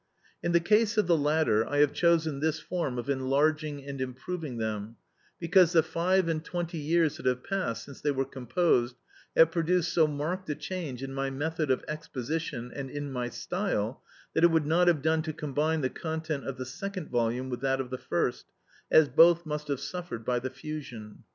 In the case of the latter, I have chosen this form of enlarging and improving them, because the five and twenty years that have passed since they were composed have produced so marked a change in my method of exposition and in my style, that it would not have done to combine the content of the second volume with that of the first, as both must have suffered by the fusion.